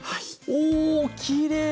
おおきれい！